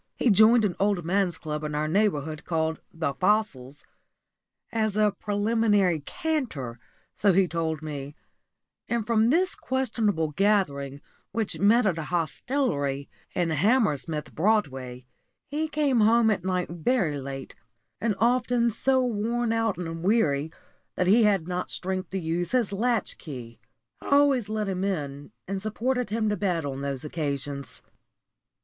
He joined an old man's club in our neighbourhood called the "Fossils" "as a preliminary canter," so he told me; and from this questionable gathering, which met at a hostelry in Hammersmith Broadway, he came home at night very late, and often so worn out and weary that he had not strength to use his latch key. I always let him in, and supported him to bed on these occasions.